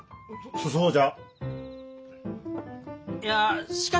そそうじゃ。